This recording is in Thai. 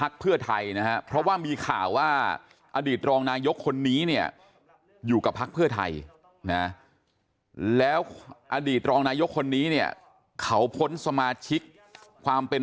เดาไม่ออกหรือไม่กล้าเดาค่ะ